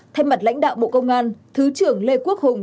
thay mặt lãnh đạo bộ công an thứ trưởng lê quốc hùng